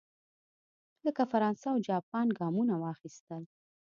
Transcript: لکه فرانسه او جاپان ګامونه واخیستل.